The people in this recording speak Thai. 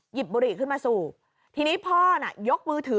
บุหรี่ขึ้นมาสูบทีนี้พ่อน่ะยกมือถือ